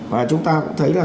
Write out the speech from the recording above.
và chúng ta cũng thấy là